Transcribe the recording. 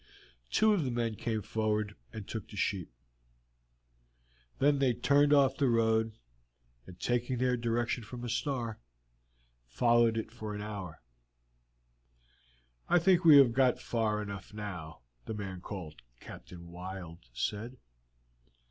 Two of the men came forward and took the sheep. Then they turned off from the road, and taking their direction from a star, followed it for an hour. "I think we have got far enough now," the man called Captain Wild said.